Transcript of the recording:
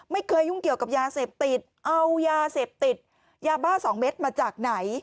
ไม่เคยยุ่งเกี่ยวกับยาเสพติดเอายาเสพติดยาบ้าสองเม็ดมาจากไหน